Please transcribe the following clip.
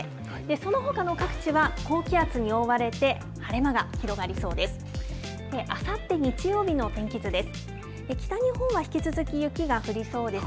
そのほかの各地は高気圧に覆われて、晴れ間が広がりそうです。